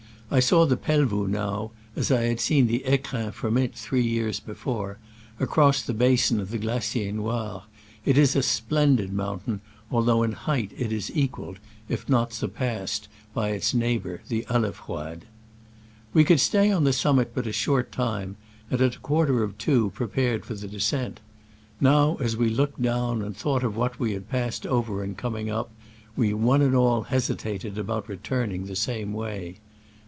I saw the Pelvoux now — as I had seen the fecrins from it three years before — across the basin of the Glacier Noir. It is a splendid mountain, although in height it is equaled, if not surpassed, by its neighbor, the Alefroide. We could stay on the summit but a short time, and at a quarter to two pre pared for the descent. Now, as we look ed down, and thought of yvhat we had passed over in coming up, we one and all hesitated about returning the same way.